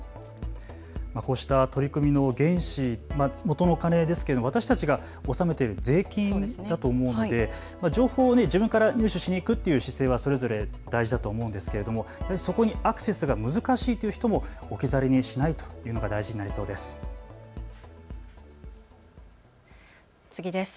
こうした取り組みの原資、私たちが納めている税金だと思うんで、情報を自分から入手しに行くという姿勢はそれぞれ大事だと思うんですけれどもそこにアクセスが難しいという人も置き去りにしないというのが大事になりそうです。